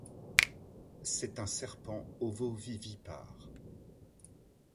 C'est un serpent ovovivipare.